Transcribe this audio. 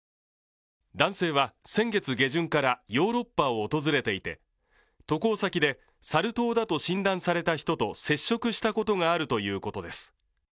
男性は先月下旬からヨーロッパを訪れていて、渡航先でサル痘だと診断された人と接触したことがあるということです。